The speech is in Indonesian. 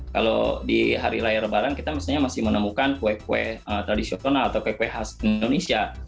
kalau di hari raya lebaran kita misalnya masih menemukan kue kue tradisional atau kue kue khas indonesia